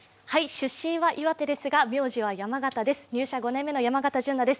出身は岩手ですが、名字は山形です。